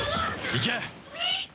行け！